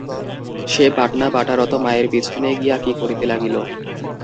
সে বাটনা-বাটা-রত মায়ের পিছনে গিয়া কি করিতে লাগিল।